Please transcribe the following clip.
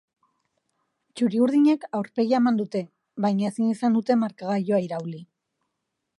Txuri-urdinek aurpegia eman dute, baina ezin izan dute markagailua irauli.